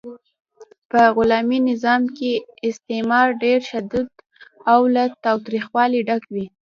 په غلامي نظام کې استثمار ډیر شدید او له تاوتریخوالي ډک و.